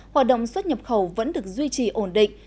hoạt động xuất nhập khẩu vẫn được duy trì ổn định